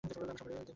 আমরা সবাই দেখালাম!